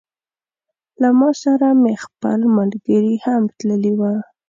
له ما سره مې خپل ملګري هم تللي وه.